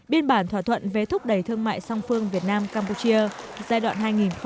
biên bản thỏa thuận về thúc đẩy thương mại song phương việt nam campuchia giai đoạn hai nghìn một mươi sáu hai nghìn hai mươi